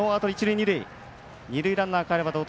二塁ランナーかえれば同点。